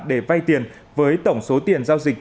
để vay tiền với tổng số tiền giao dịch